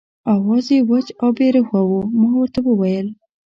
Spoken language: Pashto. آواز یې وچ او بې روحه و، ما ورته وویل.